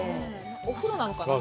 お風呂なのかなと。